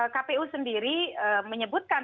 kpu sendiri menyebutkan